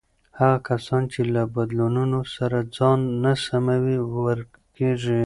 هغه کسان چې له بدلونونو سره ځان نه سموي، ورکېږي.